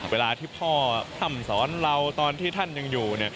เวลาที่พ่อพร่ำสอนเราตอนที่ท่านยังอยู่